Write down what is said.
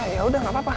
ya udah gak apa apa